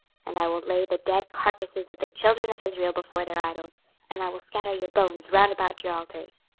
26:006:005 And I will lay the dead carcases of the children of Israel before their idols; and I will scatter your bones round about your altars.